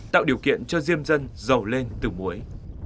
tạo điều kiện cho diêm dân giàu lên từ muối